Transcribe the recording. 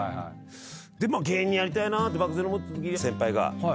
芸人やりたいなって漠然と思ってたとき先輩が。